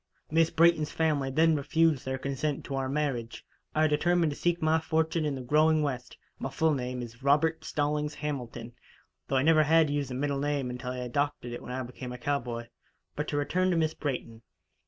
Miss Brayton's family then refused their consent to our marriage. I determined to seek my fortune in the growing West. My full name is Robert Stallings Hamilton, though I never had used the middle name until I adopted it when I became a cowboy. But to return to Miss Brayton.